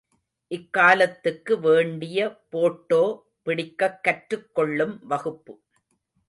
இக்காலத்துக்கு வேண்டிய போட்டோ பிடிக்கக் கற்றுக்கொள்ளும் வகுப்பு.